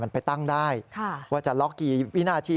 มันไปตั้งได้ว่าจะล็อกกี่วินาที